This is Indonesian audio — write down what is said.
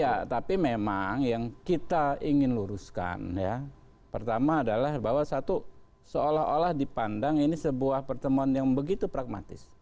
ya tapi memang yang kita ingin luruskan ya pertama adalah bahwa satu seolah olah dipandang ini sebuah pertemuan yang begitu pragmatis